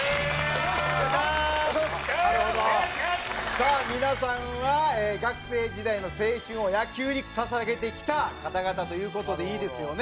さあ皆さんは学生時代の青春を野球に捧げてきた方々という事でいいですよね？